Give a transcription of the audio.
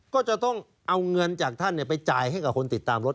ก็จะต้องเอาเงินจากท่านไปจ่ายให้กับคนติดตามรถ